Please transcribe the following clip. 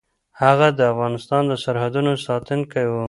هغه د افغانستان د سرحدونو ساتونکی و.